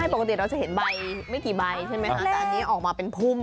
ปกติเราจะเห็นใบไม่กี่ใบใช่ไหมคะแต่อันนี้ออกมาเป็นพุ่ม